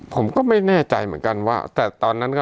ผมก็ไม่แน่ใจเหมือนกันว่า